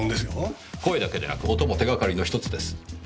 声だけでなく音も手がかりの１つです。